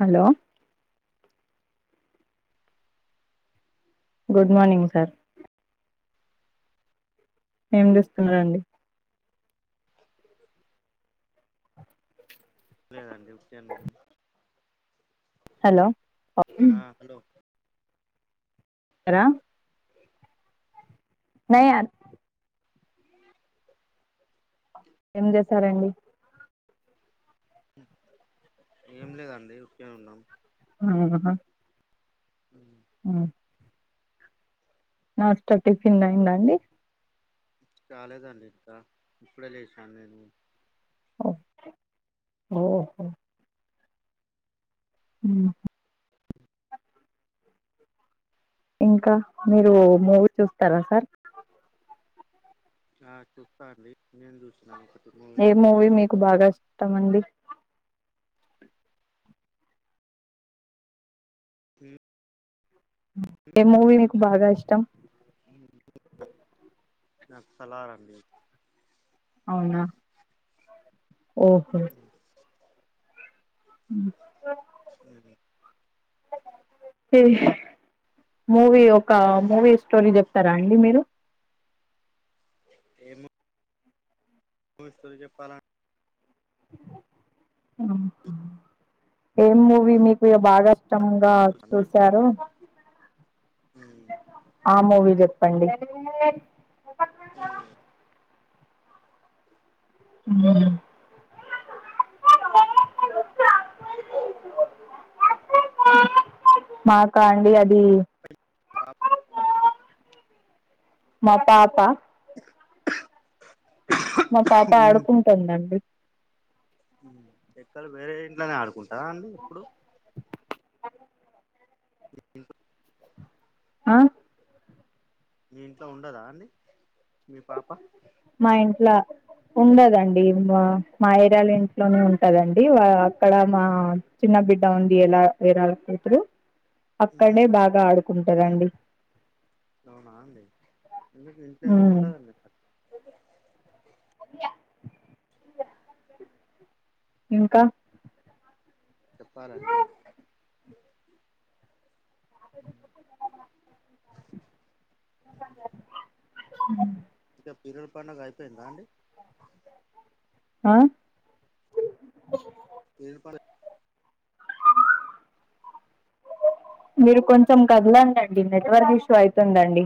Hello good morning sir ఏం చేస్తున్నారండి లేదండి ఊర్కనే ఉన్న హలో ఆ హలో హలో నయాన్ ఏం చేసారండి ఏం లేదండి ఉరకనే ఉన్నాం ఆహ ఉ ఉ లాస్ట్ టిఫిన్ అయిందండి కాలేదండి ఇంకా ఇప్పుడే లేచాను నేను ఓకే ఓహో ఉహు ఇంకా మీరు మూవీ చూస్తారా సార్ ఆ చూస్తా అండి నేను చూసినను ఒక ఏ మూవీ మీకు బాగా ఇష్టం అండి ఉ ఏ మూవీ మీకు బాగా ఇష్టం నాకు సలార్ అండి అవునా ఓహో ఉ [inaudible] [unintelligible] మూవీ ఒక మూవీ స్టోరీ చెప్తారా అండి మీరు ఏ మూ మూవి స్టోరీ చెప్పాలా ఏం మూవీ మీకు బాగా ఇష్టంగా అండి చూసారు ఆ మూవీ చెప్పండి ఊ మాకా అండి అది [inaudible] ఆ మా పాప మా పాప ఆడుకుంటుందండి ఎక్కలు వేరే ఇంట్లోనే ఆడుకుంటరా అండి ఎప్పుడు [unintelligible] అ మీ ఇంట్లో ఉండదా అండి మీ పాప మా ఇంట్లా ఉండదండి మ మా ఏరియాల ఇంట్లోనే ఉంటదండీ వా అక్కడ మా చిన్న బిడ్డ ఉంది ఎలా ఎరాల కూతురు అక్కడ్నే బాగా ఆడుకుంటదండి అవునా అండి ఎందుకు మీకు ఇంట్లో ఉమ్ ఎందుకుంటదండి [inaudible] ఇంకా చెప్పాలండి అ పీరులు పండగ అయిపోయిందా అండి ఆ పీరు పండ మీరు కొంచెం కదలండండి నెట్వర్క్ ఇష్యూ అయితుందండి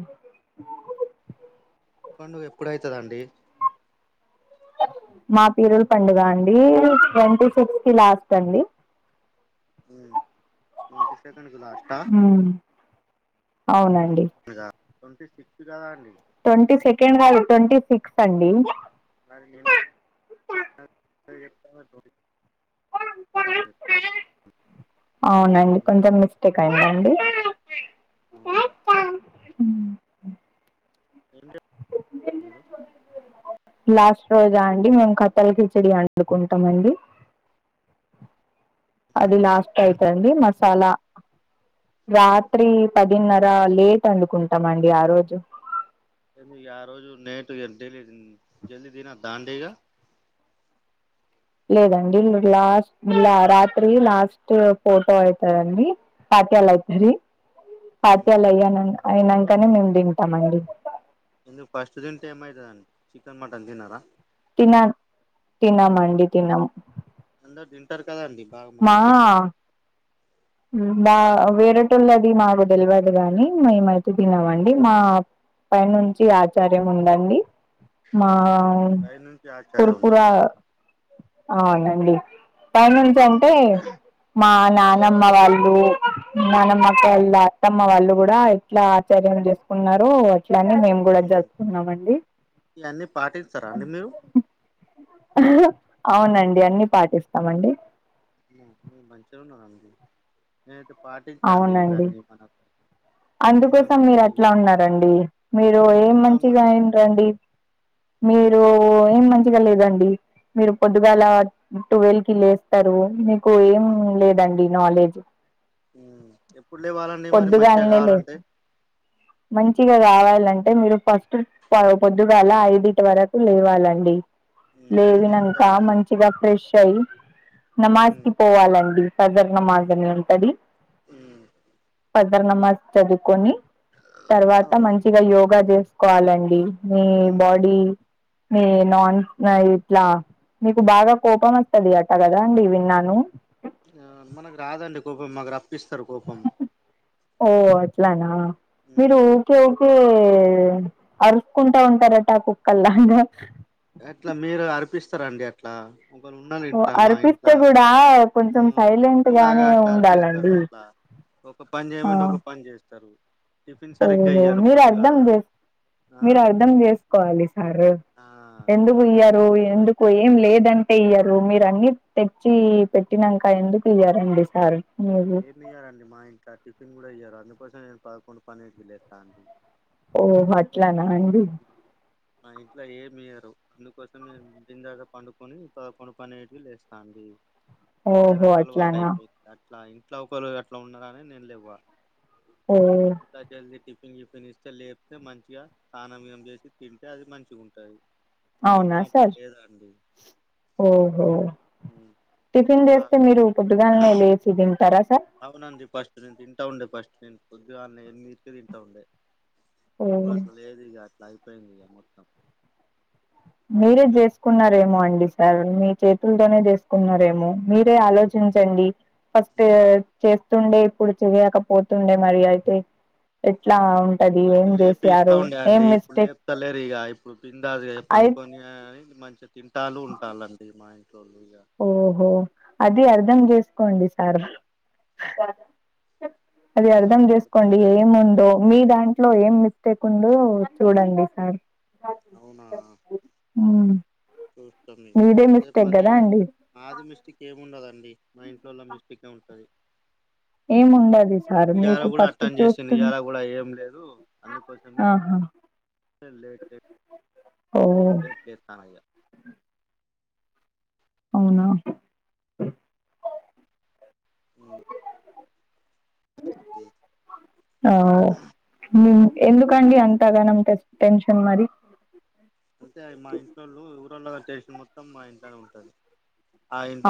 పండు ఎప్పుడైతదండి మా పీరులల్ పండుగ అండీ ట్వంటీ సిక్స్ కి లాస్ట్ అండి ఉ టొంటి సెకండ్ కి లాష్టా ఉమ్ అవునండి టొంటీ సిక్స్ గదా అండి టొంటీ సెకండ్ గాదు టొంటీ సిక్స్ అండి మరి [inaudible] అవునండి కొంచెం మిస్టేక్ అయిందండి ఊహు ఏం [inaudible] మీరు లాస్ట్ రోజా అండి మేమ్ కట్టల్ కిచిడి ఒండుకుంటం అండి అది లాస్ట్ అయితే అండి మసాలా రాత్రి పదిన్నర లేట్ అండుకుంటాం అండి ఆ రోజు ఏంది ఇగ ఆ రోజు నేట్ గ జల్ది దిన్ దినొద్దా అండి ఇగ లేదండి లాస్ట్ లా రాత్రీ లాస్ట్ ఫోటో అయితదండి పాఠ్యాలు అయితుందీ పాఠ్యాలు అయ్యాన అయినంకనే మేమ్ దింటాం అండి ఎందు ఫస్ట్ దింటే ఏమైతదండి చికెన్ మటన్ దినరా తిన తినమండి తినము అందరు దింటరు కదండి బాగ మంది మా బా వేరేటోళ్ళది మాకు దెల్వదు గానీ మేమైతే తినమండి మా పై నుంచి ఆచార్యం ఉందండి మా పై నుంచి ఆచార్య తురుపురా ఉన్నారా అవునండి పై నుంచి అంటే మా నమ్మ వాళ్ళూ మనమ్మ వాళ్ళ అత్తమ్మ వాళ్ళు గూడా ఎట్ల ఆచర్యం జేసుకున్నారో ట్లనే మేమ్ గూడా జరుపుకున్నామండి ఇవన్నీ పాటిస్తారా అండి మీరు అవునండి అన్ని పాటిస్తామండి మంచి గున్నదండి నేనైతే పాటిస్తా అండి అవునండి ఇవన్నీ మనకు ఇవన్నీ మనకు అందుకోసం మీరట్ల నచ్చాయి అన్నరండి మీరు ఏం ఎట్లా మంచిగా ఉన్నారమ్మా ఉంటండి మీరు ఏం మంచిగా లేదండి మీరు పొద్దుగాల టువల్ కి లేస్తారు మీకు ఏం లేదండి నాలెజ్ మ్మ్ ఎప్పుడు లెవాలండి మరి మంచిగా పొద్దుగాలనే కావాలంటే మంచిగా గావాలి అంటే మీరు ఫస్ట్ పొద్దుగాల ఐదుటి వరకు లెయాలండి ఉమ్ లేసి ఏం లేవినంక చేయాలండి మంచిగా ఫ్రెష్ అయి నమాజ్ ఉమ్ కి పోవాలండి కధర్ణ మాదిర్నే ఉంటది ఉమ్ సదర్ నమాజ్ చదువుకొని తర్వాత అవును మంచిగా యోగా జేస్కోవాలండి మీ ఉమ్ బాడీ మీ నాన్ నఇట్లా మీకు బాగా కోపమస్తది అట గదండి విన్నాను మనకు రాదండి కోపం మాకు అప్పిస్తారు కోపం ఓ అట్లానా మీరు ఉమ్ ఓకే ఓకే అరుసుకుంటా ఉంటారట కుక్కల్లాగా అట్ల మీరు అర్పిస్తారండి అట్లా ఒకరు ఓ అర్పిస్తే గుడా మ్మ్ కుక్కల్ లాగా అట్లా అర్పిస్తారట్లా ఒక పని జెయమంటే ఆ ఒక పని జైరు టిఫిన్ సరిగ్గ ఓహో ఇయ్యరు మీరు అర్ధం పొద్దుగాలా చేస్ మీరు అర్ధం చేసుకోవాలి సారు ఆ ఎందుకు అర్థం ఇయ్యరు చేసుకుంటారు ఎందుకు ఏం లేదంటే ఇయ్యరు మీరన్ని తెచ్చి పెట్టినంక ఎందుకు ఇయరండి సారు ఏమి ఇయ్యంరడి మా ఇంట్ల టిఫిన్ గుడా ఇయ్యరు అందుకోసమే నేను పదకొండు పన్నెండుకు లేస్తా ఓ అట్లనా అండి మా ఇంట్లో ఏమియరు అందుకోసమే బిందాగా పండుకొని పదకొండు పన్నిండిటికి లేస్తా అండి ఓహో అట్లానా ఇట్లా ఇట్ల ఒకరు అట్లా ఉన్నారని నేను లెవ్వ ఓ జల్దీ పింగి పినిస్తే లేపితే మంచిగా తానం గీనం చేసి తింటే అది మంచిగుంటది అవునా సార్ ఓహో ఉమ్, టిఫిన్ ఆ, చేస్తే మీరు పొద్దుగాల్నే లేచి దింటరా అవునండి ఫస్ట్ నేను తింటా ఉండే ఫస్ట్ నేను పొద్దుగాన్నే ఎనిమిదికే తింటా ఉండే ఓ ఇప్పుడట్ల లేదు ఇగ అట్లా అయిపోయింది ఇగ మొత్తం మీరే ఇగ జేసుకున్నారేమో అండి సార్ మీ చేతుల్తోనే చేసుకున్నారేమో మీరే ఆలోచించండి ఫస్ట్ చే తుండే ఇప్పుడు చెయకపోతుండే మరి అయితే ఎట్లా ఉంటది ఫస్ట్ ఏం లేపి ఇస్తా చేసారు ఉండే ఏం అండి ఇప్పుడు మిస్టేక్ లేపుత లేరిగ ఇప్పుడు పింద అయి పనుకొని మంచిగా తింటాలు ఉంటాలండి మా ఇంట్లోళ్ళు ఇక ఓహో అది అర్ధం చేసుకోండి సార్ అది ఆ, అర్ధం అర్థం చేసుకోండి చేసుకుంటారు ఏముందో మీ దాం ట్లో ఏం మిస్టేక్ ఉందో చూడండి సార్ అవునా ఉమ్, చూస్తాం ఇగ మీదే అదే మిస్టేక్ కదా పనిగ అండి ఆది మిస్టిక్ ఏముండదండి మా ఇంట్లోల మిస్టికే ఉంటది ఏం ఉండదు సార్ ఇయాల మీకు గుడ ఫస్ట్ అటెన్ చేసింది చూస్తుంది ఇయాలా గుడా ఏం లేదు అందుకోసమే ఆ లేట్ లేట్ ఓ లేట్ లేస్తనిగా అవునా అ ఆ ఉమ్. ఎందుకండి అంత ప్రగానం టెస్ట్ టెన్షన్ మరి చేసిన మొత్తం మా ఇంట్లోనే ఉంటుంది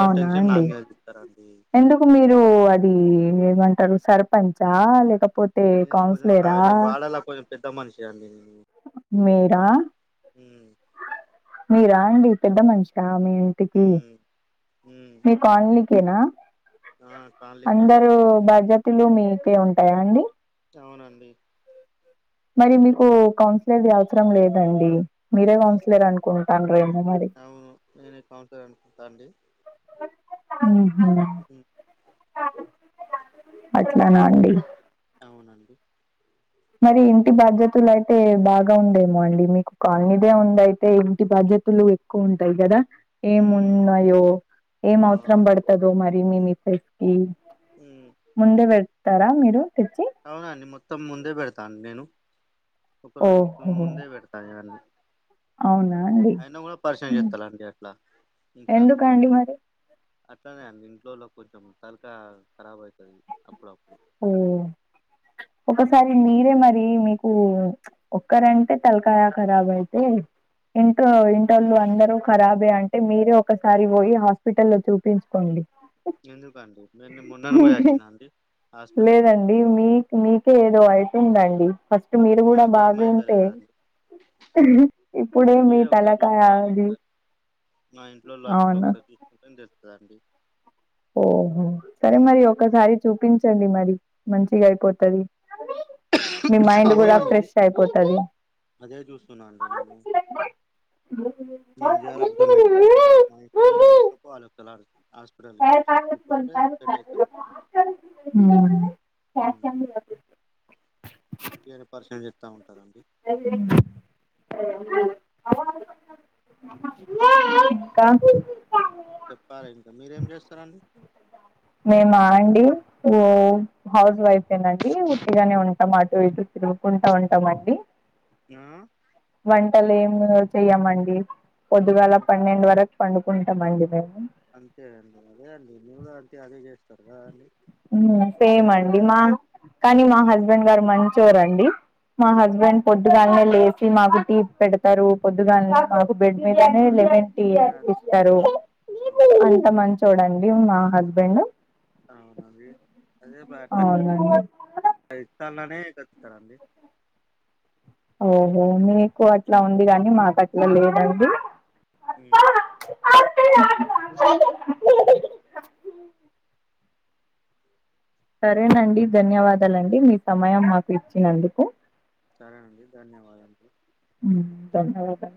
అవునా అండి ఎందుకు మీరు అది ఏమంటారు సర్పంచా లేక నేను కొంచెం కా వాడలా కొంచెం పెద్ద మనిషి అండి మీరా హ్మ్. అండి పెద్ద అట్లా మనిషా మీ ఇంటికి హ్మ్. హ్మ్. మీ కోలనీకేనా ఆ! కాళ్ళకి అండి. అందరుూ బజ తులు మీకే ఉంటాయా అండి అవునండి మరి మీకు కౌన్సిలర్ అవసరం లేదండి మీరే ఓకే కౌన్సిలర్ అనుకుంటాన్రేమో మరి. అవును నేనే కౌన్సలర్ అనుకుంటా అండి అ హ్మ్ నండి అవునండి మరి ఇంటి బాధ్యతలు అయితే బాగా ఉండేమో అండి మీకు కాలనీదే ఉందయితే ఇంటి బాధ్య జతులు ఎక్కువ ఉంటాయి కదా ఏం హ్మ్. ఉన్నాయో ఏం అవసరం అవునండి. పడుతదో మరి మీ మిస్సెస్ కి హ్మ్. ముందే పెడతారా మీరు తెచ్చి తా నేను ఒక రోజు ఓహో! ముందే పెడతాను అన్నీ అవునా అండి పరిచయం చేస్తాలండి అట్లా. ఇంట్లా ఎందుకండీ మరి అట్లనే అండి ఇంట్లోలో కొంచెం తలకాయి ఖరాబ్ అవుతుంది అప్పుడప్పుడు ఉం హ్మ్. ఒకసారి మీరే మరి మీకు ఒక్కరంటే తలకాయ కరాబ్ అయితే ఇట్ ఇంటోళు అందరుూ ఖరాబే అంటే మీరే ఒకసారి పోయి హాస్పిటల్లో లో చూపించుకోండి ఎందుకండి నేను మొన్నను పోయచ్చా అండి హాస్పిటల్ లేదండి మీ మీకే ఏదో అవుతుందండి ఫస్ట్ మీరు కూడా బాగుంటే నాకేమైతలేదండి ఇప్పుడే మీ తలకాయది మ ఇంట్లో అట్లోకసారి చూసుకుంటే తెస్తుంద అండి ఓహో సరే మరి ఒకసారి చూపించండి మరి మంచిగా అయిపోతది మీ మైండ్ కూడా అవునండి ఫ్రెష్ అయిపోతది అదే చూస్తున్నా అండి నేను ఏం చేయాలో అర్ధం ఐతాలెదు [unintelligible] హాస్పిటల్ ఒకసారిపోతే సెటైతది హ్మ్ ఉతిగానే పరిచయంచే ఉమ్, [unintelligible] హ్మ్ ఇంకా చెప్పాలి ఇంకా మీరేం చేస్తారండి నేనా అండి ఓ హౌస్ వైఫై నండి ఉతిగానే ఉంటాం తిరుకుంటా ఉంటామండి ఆ వంటలేం చెయ్యమండి పొద్దుగాల ఉమ్, పన్నెండు వరకు పండుకుంటమండి మేము అంతే అండి అదే అండి మీరు అంతే అదే చేస్తరు కదా అండి ఉమ్ సేమ్ అండి మా కానీ మా హస్బెండ్ గారు మంచోరండీ, మా హస్బె ఈవెన్ పొద్దుగాలనే లేచి నాకు టీ పెడతరు పొద్దుగాల నాకు బెడ్ మీదనే అవునండి లెమన్ టీ నేను అన్ ఇస్తారు, ఆ అవును అంత మంచోడం మా హస్బెండ్ అవునా అండి అదే బ అవునండి తాల్లనే తెస్తరండి ఓహో మీకు అట్లా ఉంది గాని మాకు అట్లా లేదండి. హ్మ్ [inaudible] ఓ ఉమ్. సరేనండి, ధన్యవాదాలండి మీ సమయం మాకు ఇచ్చినందుకు. సరేనండి ధన్యవాదములు ధన్యవాదాలు